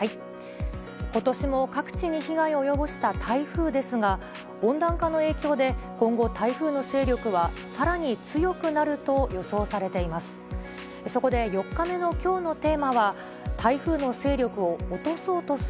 ことしも各地に被害を及ぼした台風ですが、温暖化の影響で、今後、台風の勢力はさらに強くなると予想されています。